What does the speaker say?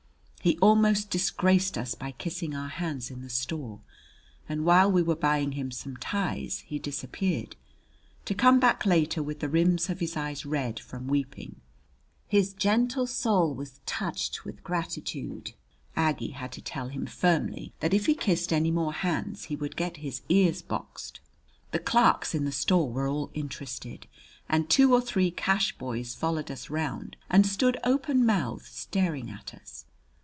He almost disgraced us by kissing our hands in the store, and while we were buying him some ties he disappeared to come back later with the rims of his eyes red from weeping. His gentle soul was touched with gratitude. Aggie had to tell him firmly that if he kissed any more hands he would get his ears boxed. The clerks in the store were all interested, and two or three cash boys followed us round and stood, open mouthed, staring at us.